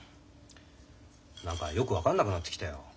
何かよく分かんなくなってきたよ。